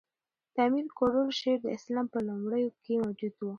د امیر کروړ شعر د اسلام په لومړیو کښي موجود وو.